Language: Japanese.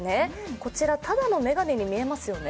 こちら、ただの眼鏡に見えますよね？